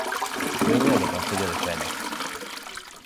Veño do Concello de Fene